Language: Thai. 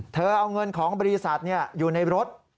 เอาเงินของบริษัทอยู่ในรถ